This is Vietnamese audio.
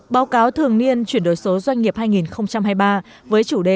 báo cáo thường niên chuyển đổi số doanh nghiệp hai nghìn hai mươi ba với chủ đề